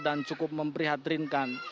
dan cukup memprihatrinkan